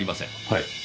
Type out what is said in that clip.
はい。